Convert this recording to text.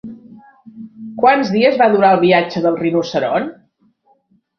Quants dies va durar el viatge del rinoceront?